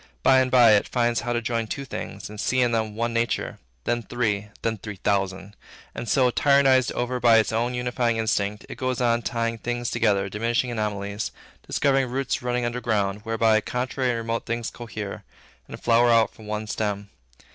By and by, it finds how to join two things, and see in them one nature; then three, then three thousand; and so, tyrannized over by its own unifying instinct, it goes on tying things together, diminishing anomalies, discovering roots running under ground, whereby contrary and remote things cohere, and flower out from one stem.